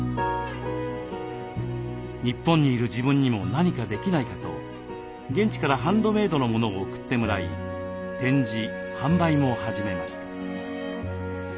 日本にいる自分にも何かできないかと現地からハンドメードのものを送ってもらい展示販売も始めました。